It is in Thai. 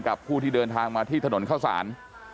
ผู้ที่เดินทางมาที่ถนนเข้าสาร